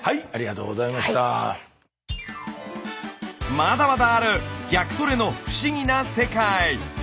まだまだある逆トレの不思議な世界！